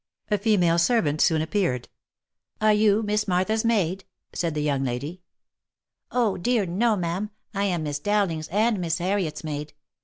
A female servant soon appeared. " Are you Miss Martha's maid V 9 said the young lady. " Oh ! dear no, ma'am, I am Miss Dowling's and Miss Harriet's maid.